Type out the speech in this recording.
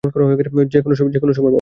যে কোনো সময়, বাবা।